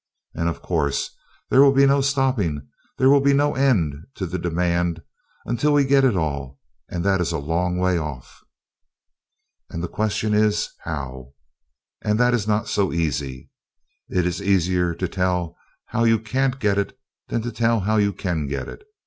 And of course, there will be no stopping, there will be no end to the demand, until we get it all, and that is a long way off. And the question is how? And that is not so easy. It is easier to tell how you can't get it than to tell how you can get it.